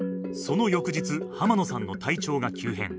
その翌日、濱野さんの体調が急変。